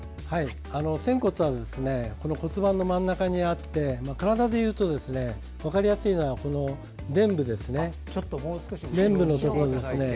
仙骨は骨盤の真ん中にあって体でいうと分かりやすいのは、でん部ですね。